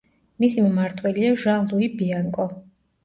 მისი მმართველია ჟან-ლუი ბიანკო.